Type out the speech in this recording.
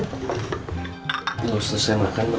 kalau susah makin dapet kalau yang minum